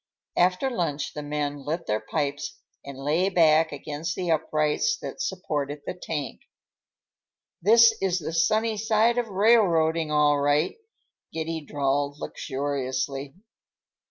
After lunch the men lit their pipes and lay back against the uprights that supported the tank. "This is the sunny side of railroading, all right," Giddy drawled luxuriously.